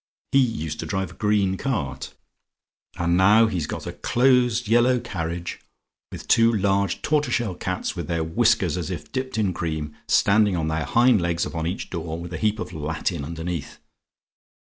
He used to drive a green cart; and now he's got a close yellow carriage, with two large tortoise shell cats, with their whiskers as if dipped in cream, standing on their hind legs upon each door, with a heap of Latin underneath.